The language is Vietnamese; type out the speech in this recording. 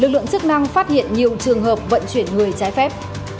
lực lượng chức năng phát hiện nhiều trường hợp vận chuyển người trái phép